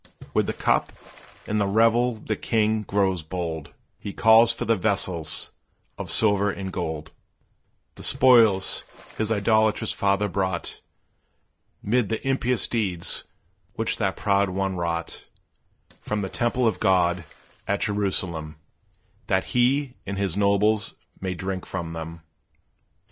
With the cup and the revel the king grows bold He calls for the vessels of silver and gold; The spoils his idolatrous father brought, 'Mid the impious deeds which that proud one wrought, From the temple of God, at Jerusalem, That he and his nobles may drink from them.